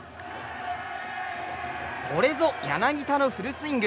これぞ柳田のフルスイング。